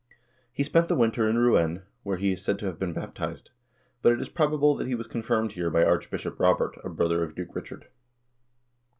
He spent the winter in Rouen, where he is said to have been baptized ; but it is probable that he was confirmed here by Archbishop Robert, a brother of Duke Richard.